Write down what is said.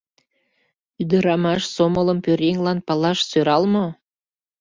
Ӱдырамаш сомылым пӧръеҥлан палаш сӧрал мо?